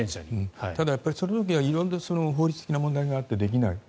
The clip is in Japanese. ただ、その時は色んな法律的な問題があってできない。